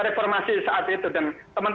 reformasi saat itu dan